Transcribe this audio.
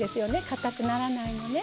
かたくならないのね。